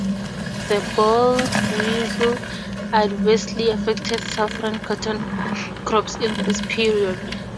The boll weevil adversely affected southern cotton crops in this period.